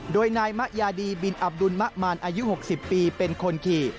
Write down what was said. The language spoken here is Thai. โดยนายมะยาดีบินอับดุลมะมารอายุ๖๐ปีเป็นคนขี่